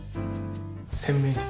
洗面室。